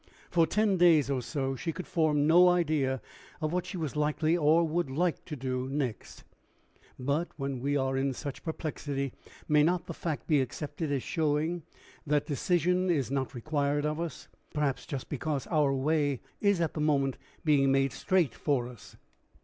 For ten days or so, she could form no idea of what she was likely or would like to do next. But, when we are in such perplexity, may not the fact be accepted as showing that decision is not required of us perhaps just because our way is at the moment being made straight for us?